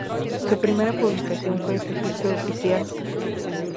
Su primera publicación fue el Registro Oficial No.